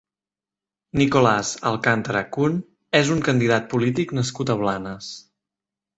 Nicolás Alcántara Kühn és un candidat polític nascut a Blanes.